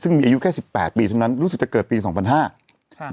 ซึ่งมีอายุแค่สิบแปดปีเท่านั้นรู้สึกจะเกิดปีสองพันห้า